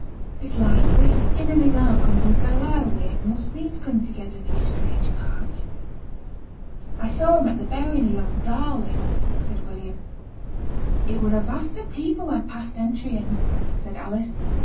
'It's likely; him and his aunt come from Carlisle way, and must needs cling together in these strange parts.' 'I saw him at the burying of yon Darley,' said William. 'It were a vast o' people went past th' entry end,' said Alice.